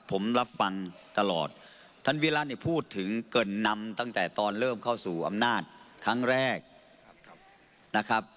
ผมรับฟังตลอดท่านวิระเนี่ยพูดถึงเกินนำตั้งแต่ตอนเริ่มเข้าสู่อำนาจครั้งแรกนะครับ